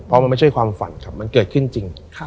เพราะมันไม่ใช่ความฝันครับมันเกิดขึ้นจริง